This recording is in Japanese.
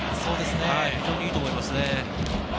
非常にいいと思いますね。